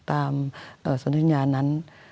ตามสนทิศันยานั้น